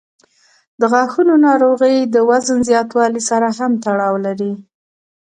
د غاښونو ناروغۍ د وزن زیاتوالي سره هم تړاو لري.